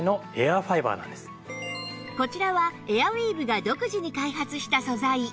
こちらはエアウィーヴが独自に開発した素材